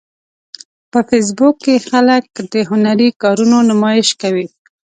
په فېسبوک کې خلک د هنري کارونو نمایش کوي